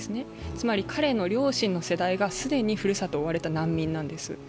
つまり彼の両親の世代が既にふるさとを追われた難民なんです。